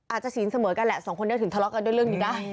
อาจจะฝีนเสมอกันแหละ๒คนเดียวถึงทะเลาะกันด้วยเรื่องนี้นะ